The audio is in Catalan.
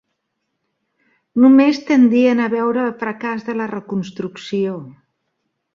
Només tendien a veure el fracàs de la Reconstrucció.